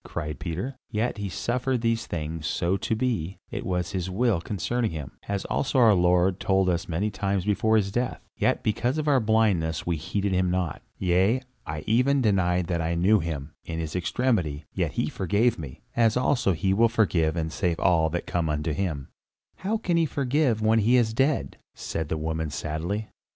cried Peter. "Yet he suffered these things so to be; it was his will concerning him, as also our Lord told us many times before his death, yet because of our blindness we heeded him not. Yea, I even denied that I knew him, in his extremity; yet he forgave me, as also he will forgive and save all that come unto him." "How can he forgive when he is dead?" said the woman sadly.